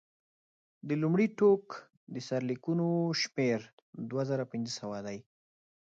د لومړي ټوک د سرلیکونو شمېر دوه زره پنځه سوه دی.